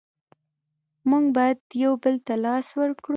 مونږ باید یو بل ته لاس ورکړو.